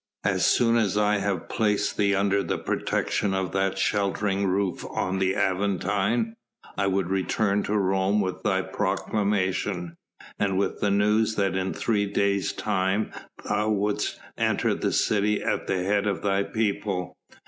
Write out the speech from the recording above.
"As soon as I have placed thee under the protection of that sheltering roof on the Aventine, I would return to Rome with thy proclamation, and with the news that in three days' time thou wouldst enter the city at the head of thy people.